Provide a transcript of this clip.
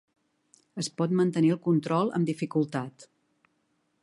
Es pot mantenir el control amb dificultat.